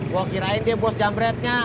gua kirain dia bos jambreadnya